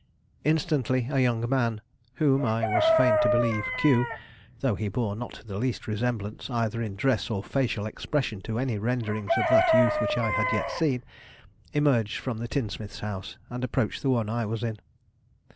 Instantly a young man, whom I was fain to believe Q, though he bore not the least resemblance, either in dress or facial expression to any renderings of that youth which I had yet seen, emerged from the tinsmith's house, and approached the one I was in.